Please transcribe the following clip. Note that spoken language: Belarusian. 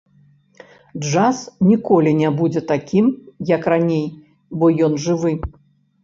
Джаз ніколі не будзе такім, як раней, бо ён жывы.